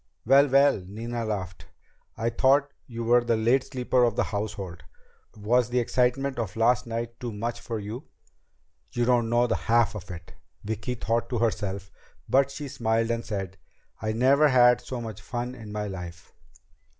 "Well, well!" Nina laughed. "We thought you were the late sleeper of the household! Was the excitement of last night too much for you?" "You don't know the half of it!" Vicki thought to herself, but she smiled and said: "I never had so much fun in my life."